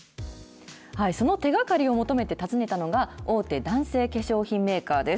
その手がかりを求めて訪ねたのが、大手男性化粧品メーカーです。